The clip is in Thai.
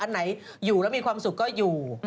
ไหนอยู่แล้วมีความสุขก็อยู่